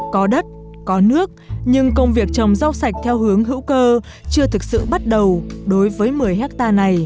có đất có nước nhưng công việc trồng rau sạch theo hướng hữu cơ chưa thực sự bắt đầu đối với một mươi hectare này